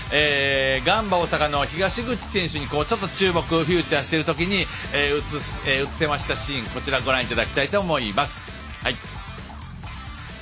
ガンバ大阪の東口選手にちょっと注目フィーチャーしているときに映せましたシーンご覧いただきたいと思います。